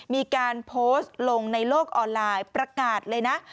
มีการโพสต์ลงในโลกออนไลน์ประกาศเลยนะ